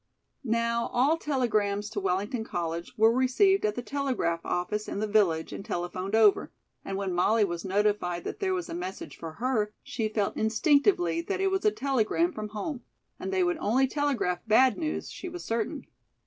Now, all telegrams to Wellington College were received at the telegraph office in the village and telephoned over, and when Molly was notified that there was a message for her, she felt instinctively that it was a telegram from home; and they would only telegraph bad news, she was certain.